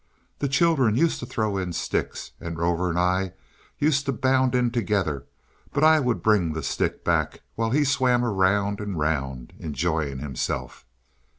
The children used to throw in sticks, and Rover and I used to bound in together; but I would bring the stick back, while he swam round and round, enjoying himself.